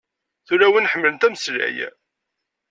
Tulawin ḥemmlent ameslay.